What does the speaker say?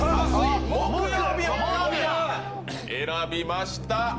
選びました。